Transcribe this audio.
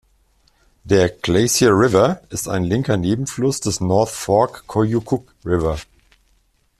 Der Glacier River ist ein linker Nebenfluss des North Fork Koyukuk River.